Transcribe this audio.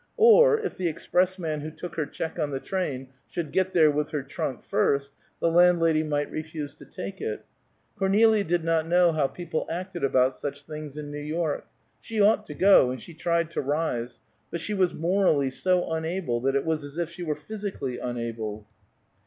Or, if the expressman who took her check on the train, should get there with her trunk first, the landlady might refuse to take it. Cornelia did not know how people acted about such things in New York. She ought to go, and she tried to rise; but she was morally so unable that it was as if she were physically unable.